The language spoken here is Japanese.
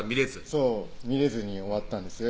そう見れずに終わったんです